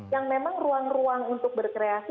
yang memang ruang ruang untuk berkreasi